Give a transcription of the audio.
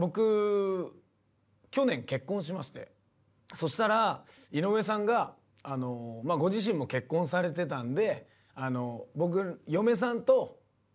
そしたら井上さんがご自身も結婚されてたんで。